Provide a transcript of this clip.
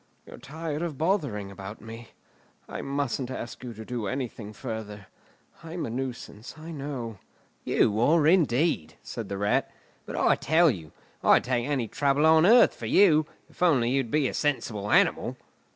You're tired of bothering about me. I mustn't ask you to do anything further. I'm a nuisance, I know." "You are, indeed," said the Rat. "But I tell you, I'd take any trouble on earth for you, if only you'd be a sensible animal."